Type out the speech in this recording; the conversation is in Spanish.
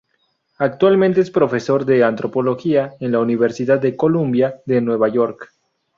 Actualmente es profesor de antropología en la Universidad de Columbia de Nueva York.